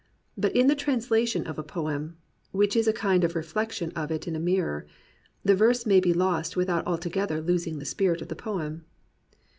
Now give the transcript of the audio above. But in the translation of a poem (which is a kind of reflection of it in a mirror) the verse may be lost without altogether losing the spirit of the poem.